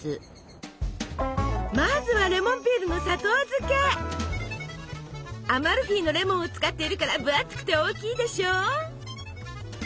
まずはアマルフィのレモンを使っているから分厚くて大きいでしょ？